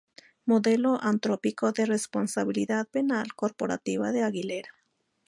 Modelo antrópico de responsabilidad penal corporativa de Aguilera.